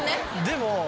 でも。